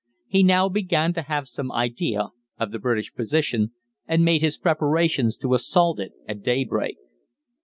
He now began to have some idea of the British position, and made his preparations to assault it at daybreak.